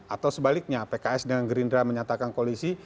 atau sebaliknya pks dengan gerindra menyatakan koalisi